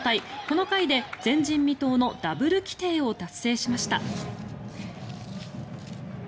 この回で前人未到のダブル規定を達成しました。